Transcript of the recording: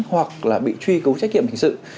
hoặc là bị truy cấu trách nhiệm hình sự